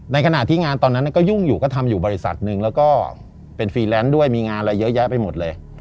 ในขณะที่งานตอนนั้นก็ยุ่งอยู่ก็ทำอยู่บริษัทหนึ่งแล้วก็เป็นฟรีแลนซ์ด้วยมีงานอะไรเยอะแยะไปหมดเลย